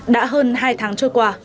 đã hơn hai tháng trôi qua